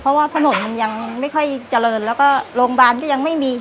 เพราะว่าถนนมันยังไม่ค่อยเจริญแล้วก็โรงพยาบาลก็ยังไม่มี